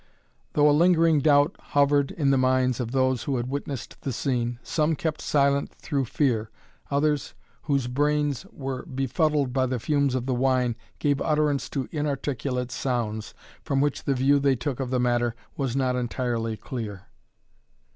Though a lingering doubt hovered in the minds of those who had witnessed the scene, some kept silent through fear, others whose brains were befuddled by the fumes of the wine gave utterance to inarticulate sounds, from which the view they took of the matter, was not entirely clear.